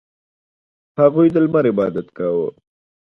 • هغوی د لمر عبادت کاوه.